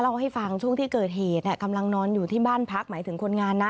เล่าให้ฟังช่วงที่เกิดเหตุกำลังนอนอยู่ที่บ้านพักหมายถึงคนงานนะ